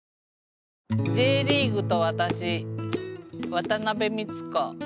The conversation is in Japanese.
渡邉光子。